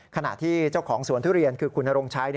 ขณะที่เจ้าของสวนทุเรียนคือคุณนรงชัย